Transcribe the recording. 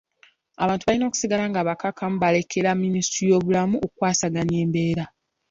Abantu balina okusigala nga bakkakkamu balekera minisitule y'ebyobulamu okukwasaganya embeera.